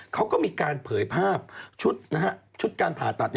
เขาก็มีการเผยภาพชุดการผ่าตัด